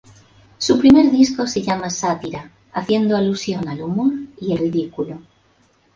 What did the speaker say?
Su primer disco se llama "Sátira", haciendo alusión al humor y el ridículo.